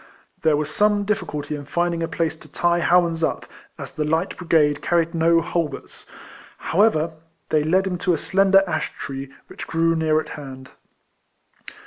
There was some difficulty in lindnig a place to tie Howans up, as the light brigade carried no halberts. However, they led him to a slender ash tree which grew near at hand.